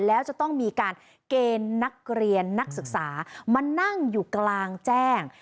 แล้วจะต้องมีการเกณฑ์นักเรียนนักศึกษามานั่งอยู่กลางแจ้ง